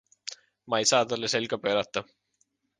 Ma ei saa talle selga pöörata.